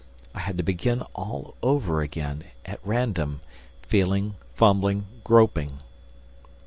I had to begin all over again, at random, feeling, fumbling, groping.